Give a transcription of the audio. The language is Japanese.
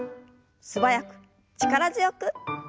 素早く力強く。